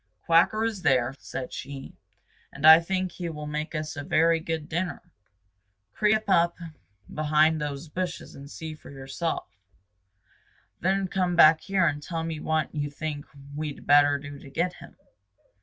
"Quacker is there," said she, "and I think he will make us a very good dinner. Creep up behind those bushes and see for yourself, then come back here and tell me what you think we'd better do to get him."